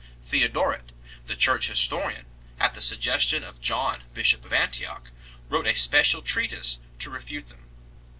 Theodoret, the church historian, at the suggestion of John bishop of Antioch, wrote a special treatise to refute them.